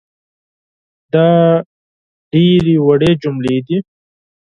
دا ډېرې وړې جملې دي